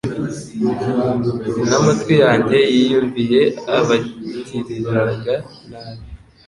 n’amatwi yanjye yiyumviye abangiriraga nabi